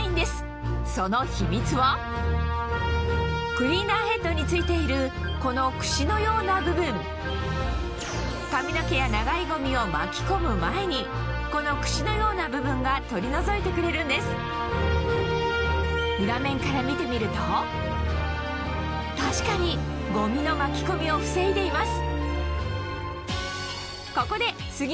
クリーナーヘッドに付いているこのクシのような部分髪の毛や長いゴミを巻き込む前にこのクシのような部分が取り除いてくれるんです裏面から見てみると確かにゴミの巻き込みを防いでいます